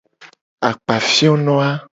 Akpafiono a.